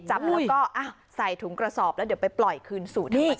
จับแล้วก็ใส่ถุงกระสอบแล้วเดี๋ยวไปปล่อยคืนสู่อีก